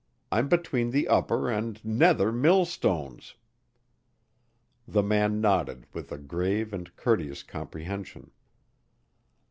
I'm between the upper and nether mill stones." The man nodded with a grave and courteous comprehension.